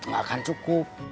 gak akan cukup